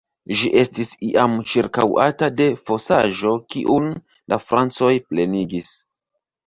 Ĝi estis iam ĉirkaŭata de fosaĵo, kiun la francoj plenigis.